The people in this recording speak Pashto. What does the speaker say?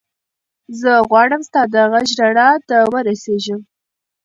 زه غواړم ستا د غږ رڼا ته ورسېږم.